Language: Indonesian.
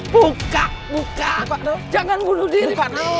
buka buka jangan bunuh diri